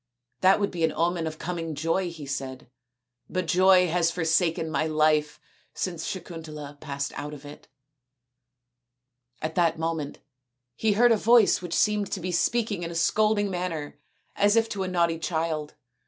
That would be an omen of coming joy," he said, " but joy has forsaken my life since Sakuntala passed out of it." At that moment he heard a voice which seemed to be speaking in a scolding manner as if to a naughty child.